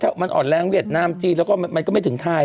ถ้ามันอ่อนแรงเวียดนามจีนแล้วก็มันก็ไม่ถึงไทย